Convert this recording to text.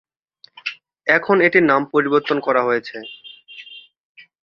এখন এটির নাম পরিবর্তন করা হয়েছে।